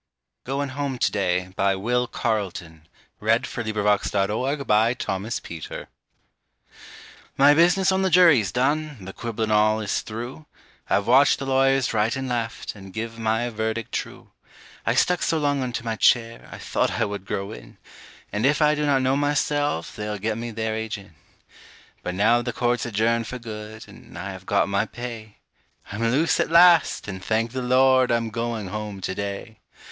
rst an' best, An' ten or a dozen childr'n to constitute the rest. GOIN' HOME TO DAY. My business on the jury's done the quibblin' all is through I've watched the lawyers right and left, and give my verdict true; I stuck so long unto my chair, I thought I would grow in; And if I do not know myself, they'll get me there ag'in; But now the court's adjourned for good, and I have got my pay; I'm loose at last, and thank the Lord, I'm going home to day.